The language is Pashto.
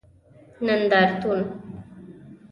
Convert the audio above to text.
نندارتون